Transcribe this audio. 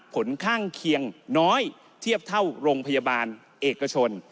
ผลข้างเคียงน้อยเทียบเท่าโรงพยาบาลเอกชน